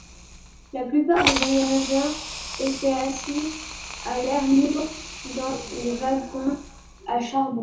La plupart des voyageurs étaient assis à l'air libre dans les wagons à charbon.